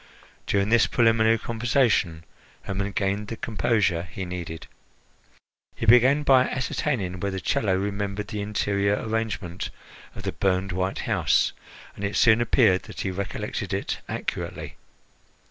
During this preliminary conversation Hermon gained the composure he needed. He began by ascertaining whether Chello remembered the interior arrangement of the burned white house, and it soon appeared that he recollected it accurately.